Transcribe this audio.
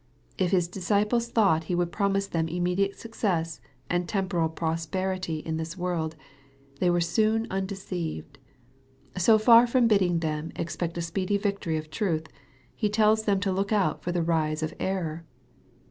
If His disciples thought He would promise them immediate success and temporal prosperity in this world, they were soon undeceived. So far from bidding them expect a speedy victory of truth, He tells them to look out for the rise of error.